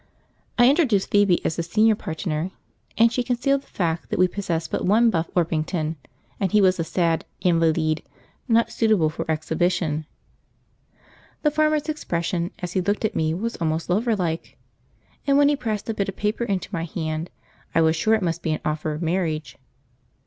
I introduced Phoebe as the senior partner, and she concealed the fact that we possessed but one Buff Orpington, and he was a sad "invaleed" not suitable for exhibition. The farmer's expression as he looked at me was almost lover like, and when he pressed a bit of paper into my hand I was sure it must be an offer of marriage.